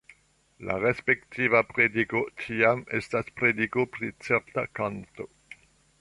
La respektiva prediko tiam estas prediko pri certa kanto.